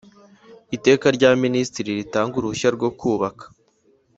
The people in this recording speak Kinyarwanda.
Iteka rya Minisitiri ritanga uruhushya rwo kubaka